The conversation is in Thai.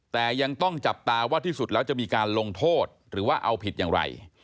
แต่ยังต้องจับตาว่าที่สุดแล้วจะมีการลงโทษหรือว่าเอาผิดอย่างไร